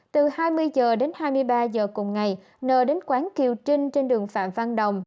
từ hai mươi h đến hai mươi ba h cùng ngày nờ đến quán kiều trinh trên đường phạm văn đồng